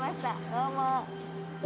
どうも。